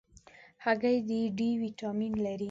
هګۍ د D ویټامین لري.